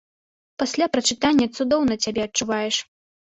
Пасля прачытання цудоўна цябе адчуваеш.